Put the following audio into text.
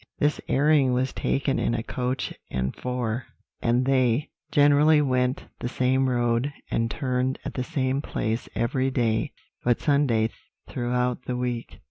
"This airing was taken in a coach and four; and they generally went the same road and turned at the same place every day but Sunday throughout the week.